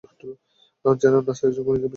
Janet নাসার একজন ঘূর্নিঝড় বিশেষজ্ঞ।